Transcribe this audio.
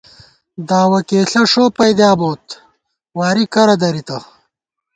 دعوہ کېئیݪہ ݭو پَئیدِیا بوت، واری کرہ درِتہ